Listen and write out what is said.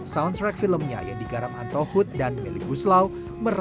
soundtrack filmnya yang digarap antohut dan melibuslau merajakan